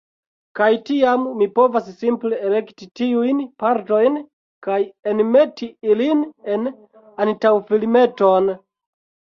Kaj tiam, mi povas simple elekti tiujn partojn, kaj enmeti ilin en antaŭfilmeton.